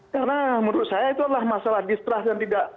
karena menurut saya itu adalah masalah distrust dan tidak